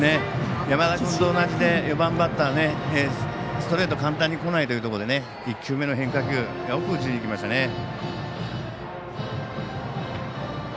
山田君と同じで４番バッター、ストレート簡単にこないというところで１球目の変化球よく打ちにいきましたね。